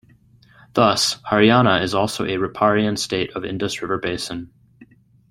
Thus Haryana is also a riparian state of Indus river basin.